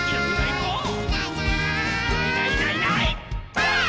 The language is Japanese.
ばあっ！